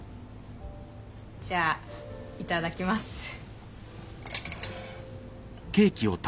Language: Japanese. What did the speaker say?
じゃあいただきます。